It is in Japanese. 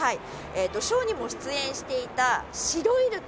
ショーにも出演していたシロイルカ。